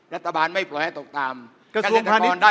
รัฐบาลไม่แปลกต่ำ